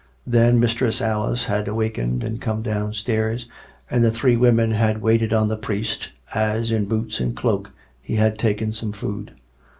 Then Mistress Alice had awakened and come down stairs, and the three women had waited on the priest, as, in boots and cloak, he had taken some food.